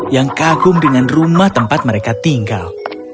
yang kagum dengan rumah tempat mereka tinggal